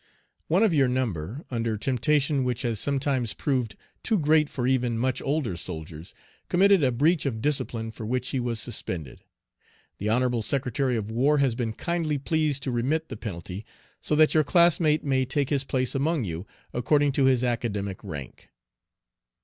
One of your number, under temptation which has sometimes proved too great for even much older soldiers, committed A breach of discipline for which he was suspended. The Honorable Secretary of War has been kindly pleased to remit the penalty, so that your classmate may take his place among you according to his academic rank.